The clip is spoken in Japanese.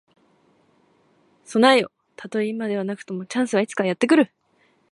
備えよ。たとえ今ではなくとも、チャンスはいつかやって来る。